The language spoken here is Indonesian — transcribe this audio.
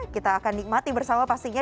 kita akan nikmati bersama pastinya